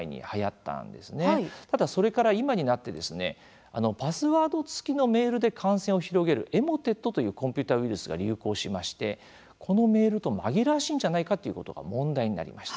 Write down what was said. ただそれから今になってパスワード付きのメールで感染を広げる、エモテットというコンピューターウイルスが流行しまして、このメールと紛らわしいんじゃないかということが問題になりました。